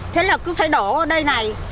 thế là cứ phải đổ ở đây này